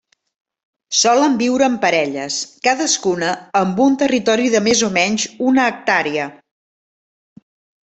Solen viure en parelles, cadascuna amb un territori de més o menys una hectàrea.